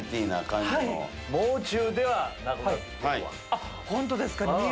あっホントですか！